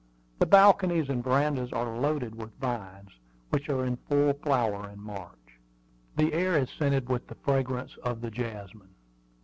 The balconies and verandas are loaded with vines, which are in full flower in March. The air is scented with the fragrance of the jasmine.